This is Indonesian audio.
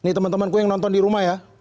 nih temen temenku yang nonton di rumah ya